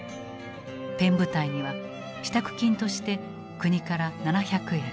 「ペン部隊」には支度金として国から７００円